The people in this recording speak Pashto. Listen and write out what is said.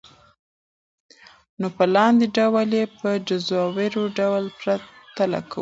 نو په لاندي ډول ئي په جزوار ډول پرتله كوو .